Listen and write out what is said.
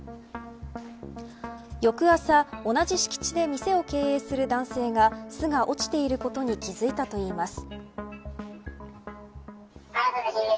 翌朝、同じ敷地で店を経営する男性は巣が落ちていることに気付いたといいます。